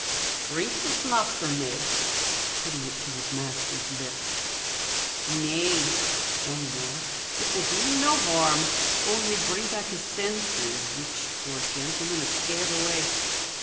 "Drink this, Master Ned!" putting it to his master's lips. "Nay" to Ellinor "it will do him no harm; only bring back his senses, which, poor gentleman, are scared away.